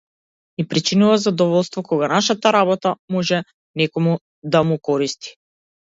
Ни причинува задоволство кога нашата работа може некому да му користи.